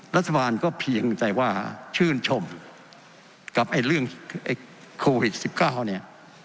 รัฐบาลก็เพียงใจว่าชื่นชมกับไอ้เรื่องเอ่อคิดก้าวนี้